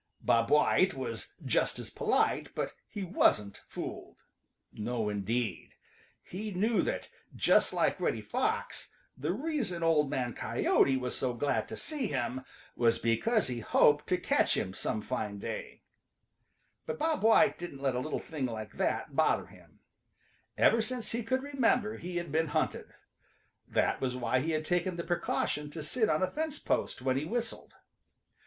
Bob White was just as polite, but he wasn't fooled. No, indeed. He knew that, just like Reddy Fox, the reason Old Man Coyote was so glad to see him was because he hoped to catch him some fine day. But Bob White didn't let a little thing like that bother him. Ever since he could remember he had been hunted. That was why he had taken the precaution to sit on a fence post when he whistled.